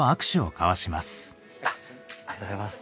ありがとうございます